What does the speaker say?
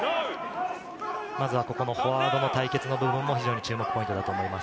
まずはフォワードの対決の部分も非常に注目ポイントだと思います。